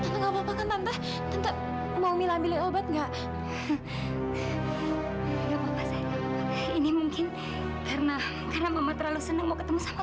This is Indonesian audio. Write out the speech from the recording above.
sampai jumpa di video selanjutnya